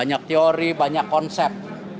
banyak teori banyak konsep